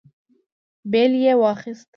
بېل يې واخيست.